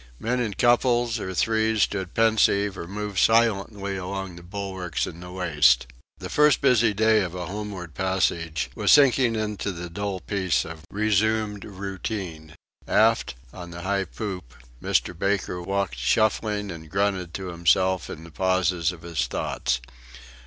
Men in couples or threes stood pensive or moved silently along the bulwarks in the waist. The first busy day of a homeward passage was sinking into the dull peace of resumed routine. Aft, on the high poop, Mr. Baker walked shuffling and grunted to himself in the pauses of his thoughts.